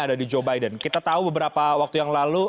ada di joe biden kita tahu beberapa waktu yang lalu